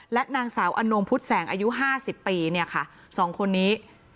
และนางสาวอณมพุทธแสงอายุ๕๐ปีค่ะ๒คนนี้